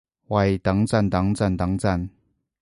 喂等陣等陣等陣